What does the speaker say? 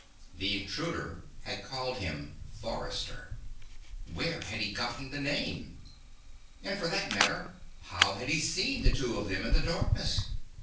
The intruder had called him Forrester. Where had he gotten the name? And, for that matter, how had he seen the two of them in the darkness?